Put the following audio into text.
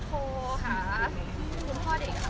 คุณปอล์ไม่ได้เจอลูกบางกี่วันล่ะ